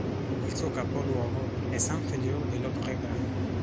Il suo capoluogo è Sant Feliu de Llobregat.